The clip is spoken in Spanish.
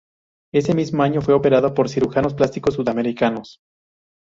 Ese mismo año fue operado por cirujanos plásticos sudamericanos.